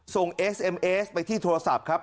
เอสเอ็มเอสไปที่โทรศัพท์ครับ